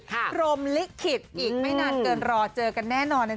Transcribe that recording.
พรมลิขิตอีกไม่นานเกินรอเจอกันแน่นอน